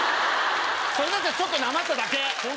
それだったらちょっとなまっただけ。